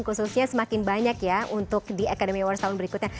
khususnya semakin banyak ya untuk di academy awards tahun berikutnya